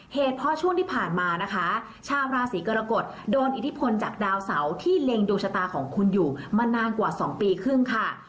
เหตุเพราะช่วงที่ผ่านมานะคะชาวราศีกรกฎโดนอิทธิพลจากดาวเสาที่เล็งดวงชะตาของคุณอยู่มานานกว่า๒ปีครึ่งค่ะ